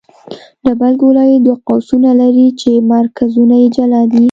ډبل ګولایي دوه قوسونه لري چې مرکزونه یې جلا دي